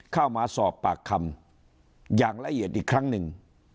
เข้ามาสอบปากคำอย่างละเอียดอีกครั้งหนึ่ง